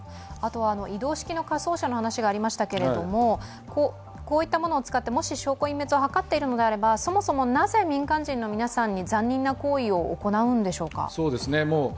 移動式の火葬車の話がありましたけれども、こういったものを使って、もし証拠隠滅を図っているのであればそもそもなぜ民間人の皆さんに残忍な行為を行うんでしょうか。